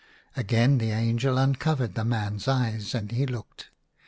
Again the angel uncovered the man's eyes, and he looked.